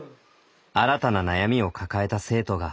新たな悩みを抱えた生徒が。